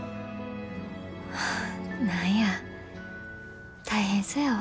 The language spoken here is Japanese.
はあ何や大変そやわ。